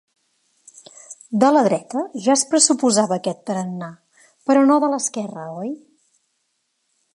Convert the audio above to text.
De la dreta ja es pressuposava aquest tarannà. Però no de l’esquerra, oi?